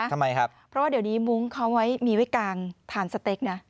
เพราะว่าเดี๋ยวนี้มุ๊งมีไว้กางทานสเต็กนะ